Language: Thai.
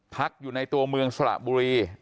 พักอยู่ในตัวเมืองสระบุรี